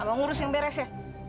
abang urusin beres ya